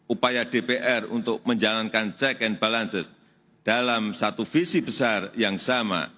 upaya dpr untuk menjalankan check and balances dalam satu visi besar yang sama